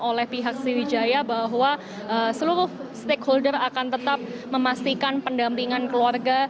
oleh pihak sriwijaya bahwa seluruh stakeholder akan tetap memastikan pendampingan keluarga